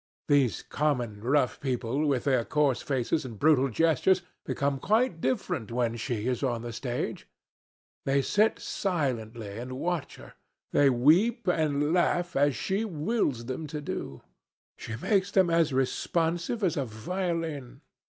These common rough people, with their coarse faces and brutal gestures, become quite different when she is on the stage. They sit silently and watch her. They weep and laugh as she wills them to do. She makes them as responsive as a violin.